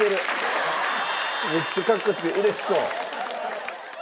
めっちゃかっこつけ嬉しそう。